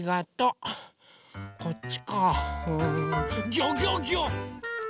ギョギョギョ！